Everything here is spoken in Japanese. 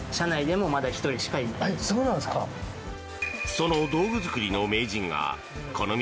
その道具作りの名人がこの道